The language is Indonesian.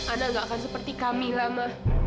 ana enggak akan seperti camilla ma